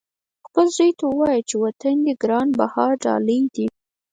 خپل زوی ته ووایه چې وطن دې ګران بها ډالۍ دی.